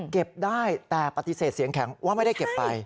เก็บได้แต่ปฏิเสธเสียงแข็งว่าไม่ได้เก็บไป